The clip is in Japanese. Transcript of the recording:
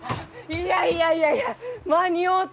いやいやいやいや間に合うた！